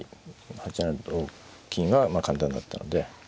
８七同金はまあ簡単だったので。